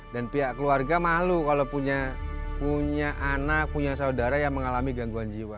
pihak keluarga malu kalau punya anak punya saudara yang mengalami gangguan jiwa